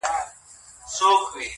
زما څه عبادت په عادت واوښتی,